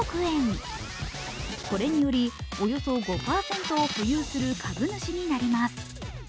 それによりおよそ５％を保有する株主になります。